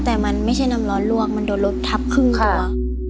แต่มันไม่ใช่น้ำร้อนลวกมันโดนรถทับครึ่งตัว